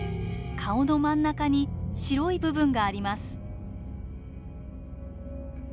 顔の真ん中に白い部分があります。